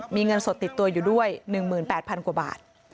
มีเงินสดติดตัวอยู่ด้วย๑๘๐๐๐กว่าบาท